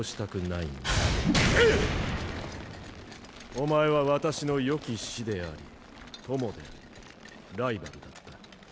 お前は私のよき師であり友でありライバルだった。